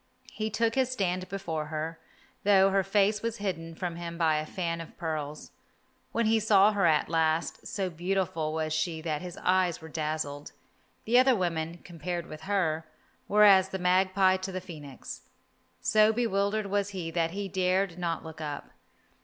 He took his stand before her, though her face was hidden from him by a fan of pearls. When he saw her at last, so beautiful was she that his eyes were dazzled. The other women, compared with her, were as the magpie to the phoenix. So bewildered was he that he dared not look up.